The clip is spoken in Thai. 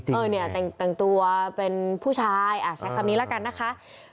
แต่งตัวเป็นผู้ชายใช้คำนี้ละกันนะคะ